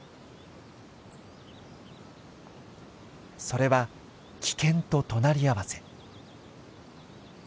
それは危険と隣り合わせ。